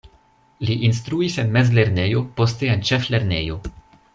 Li instruis en mezlernejo, poste en ĉeflernejo.